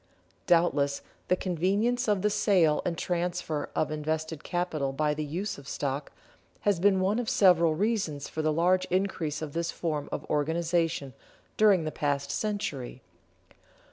Doubtless the convenience of the sale and transfer of invested capital by the use of stock, has been one of several reasons for the large increase of this form of organization during the past century.